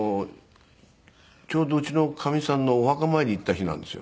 ちょうどうちのかみさんのお墓参り行った日なんですよ。